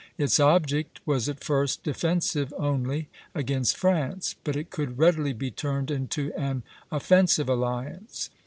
Its object was at first defensive only against France, but it could readily be turned into an offensive alliance.